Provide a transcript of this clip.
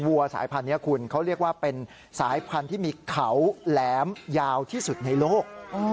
วัวสายพันธุ์นี้คุณเขาเรียกว่าเป็นสายพันธุ์ที่มีเขาแหลมยาวที่สุดในโลก